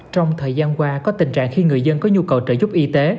trong thời gian qua có tình trạng khi người dân có nhu cầu trợ giúp y tế